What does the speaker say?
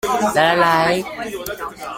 來來來